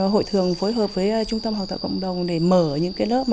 hội thường phối hợp với trung tâm học tạo cộng đồng để mở những cái lớp mà